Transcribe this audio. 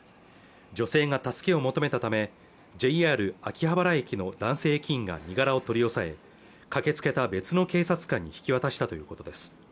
女性が助けを求めたためＪＲ秋葉原駅の男性駅員が身柄を取り押さえ駆けつけた別の警察官に引き渡したということです